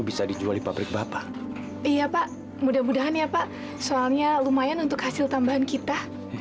bisa dijual di pabrik bapak iya pak mudah mudahan ya pak soalnya lumayan untuk hasil tambahan kita